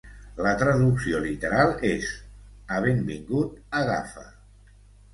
La traducció literal és "havent vingut, agafa".